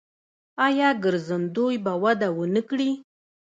آیا ګرځندوی به وده ونه کړي؟